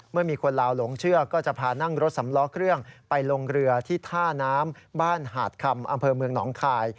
เมื่อมีคนลาวหลงเชื่อก็จะพานั่งรถสำล้อเครื่องไปลงเรือที่ท่าน้ำบ้านหาดคำอำเภอเมืองหนองคาย